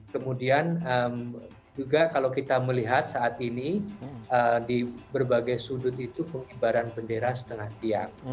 kemudian juga kalau kita melihat saat ini di berbagai sudut itu pengibaran bendera setengah tiang